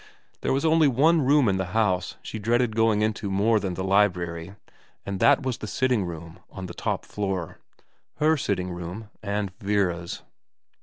There was only one room in the house she dreaded going into more than the library, and that was the sitting room on the top floor, her sitting room and Vera's.